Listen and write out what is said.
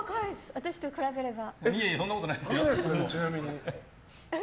私と比べれば。